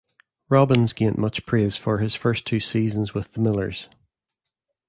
Robins gained much praise for his first two seasons with the Millers.